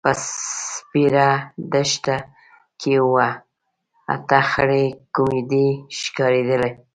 په سپېره دښته کې اوه – اته خړې کومبدې ښکارېدلې.